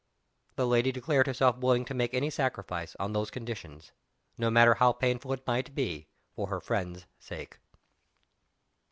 The lady declared herself willing to make any sacrifice, on those conditions no matter how painful it might be for her friend's sake.